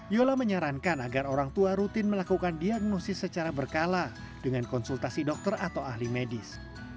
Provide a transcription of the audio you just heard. yola menyarankan agar orang tua rutin melakukan diagnosis secara berkala dengan konsultasi dokter atau ahli medis